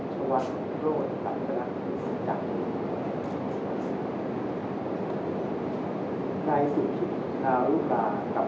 สวัสดีครับสวัสดีครับสวัสดีครับสวัสดีครับ